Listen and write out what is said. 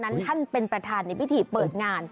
ท่านเป็นประธานในพิธีเปิดงาน